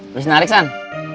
udah senarik san